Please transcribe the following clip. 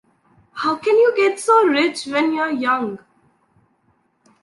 How can you get so rich when you're young?